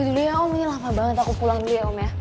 tidur dulu ya om ini lama banget aku pulang dulu ya om ya